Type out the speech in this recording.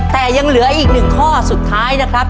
แต่ยังเหลืออีกหนึ่งข้อสุดท้ายนะครับ